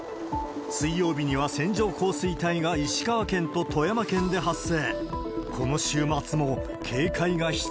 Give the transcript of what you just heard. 水曜日には、線状降水帯が石川県と富山県で発生。